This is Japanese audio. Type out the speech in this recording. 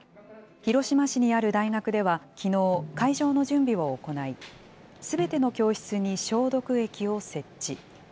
広島市にある大学ではきのう、会場の準備を行い、すべての教室に消毒液を設置。